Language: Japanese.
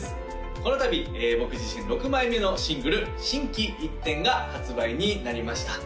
この度僕自身６枚目のシングル「心機一転」が発売になりました